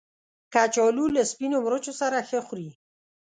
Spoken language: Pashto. کچالو له سپینو مرچو سره ښه خوري